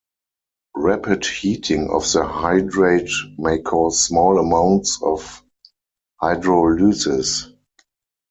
Rapid heating of the hydrate may cause small amounts of hydrolysis.